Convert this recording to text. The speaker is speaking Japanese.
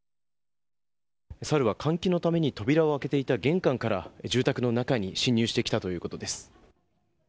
サルは、換気のために扉を開けていた玄関から住宅の中に侵入してきたということです。